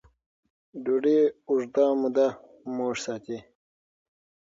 ډوډۍ اوږده موده موړ ساتي.